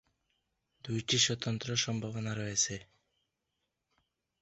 দুইটি স্বতন্ত্র সম্ভাবনা রয়েছে।